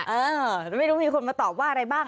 เออไม่รู้มีคนมาตอบว่าอะไรบ้าง